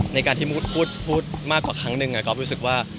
ในการที่มูดพูดมากกว่าครั้งหนึ่งก๊อฟรู้สึกว่า